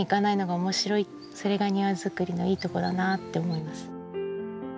それが庭づくりのいいとこだなって思います。